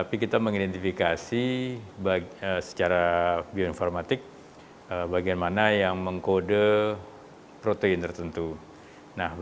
petrolin jadi vaksininya akan mendapatkan protein rekombinan